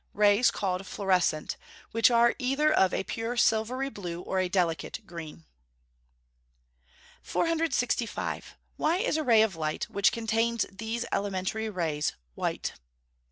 Rays called fluorescent, which are either of a pure silvery blue, or a delicate green. 465. _Why is a ray of light, which contains these elementary rays, white?